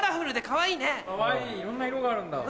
かわいいいろんな色があるんだ。